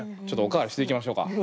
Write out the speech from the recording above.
ちょっとお代わりしていきましょうか。